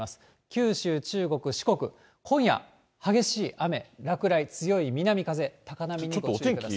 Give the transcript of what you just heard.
九州、中国、四国、今夜、激しい雨、落雷、強い南風、高波にご注意ください。